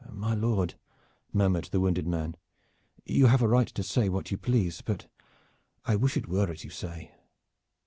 "My Lord," murmured the wounded man, "you have a right to say what you please; but I wish it were as you say."